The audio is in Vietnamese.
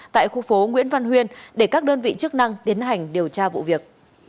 tại khu phố nguyễn văn huyên để các đơn vị chức năng tiến hành điều tra vụ việc